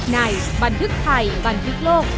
ในบันทึกไทยบันทึกโลก